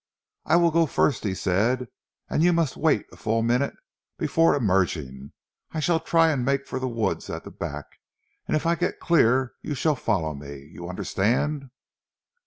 "I will go first," he said. "And you must wait a full minute before emerging. I shall try and make for the woods at the back, and if I get clear you shall follow me you understand?"